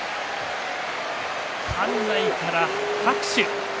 館内から拍手。